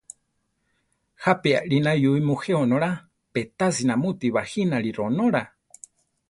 ¿Jápi alí nayúi mujé onóla, pe tasi namuti bajínari ronóla?